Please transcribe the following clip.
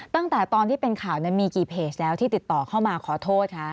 ตั้งแต่ตอนที่เป็นข่าวมีกี่เพจแล้วที่ติดต่อเข้ามาขอโทษคะ